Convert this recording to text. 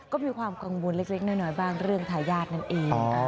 ก็มีความกังวลเล็กน้อยบ้างเรื่องทายาทนั่นเอง